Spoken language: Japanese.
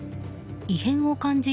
異変を感じ